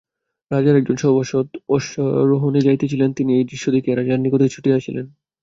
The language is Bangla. রাজার একজন সভাসদ অশ্বারোহণে যাইতেছিলেন, তিনি এই দৃশ্য দেখিয়া রাজার নিকটে ছুটিয়া আসিলেন।